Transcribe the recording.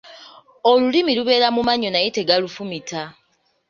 Olulimi lubeera mu mannyo naye tegalufumita.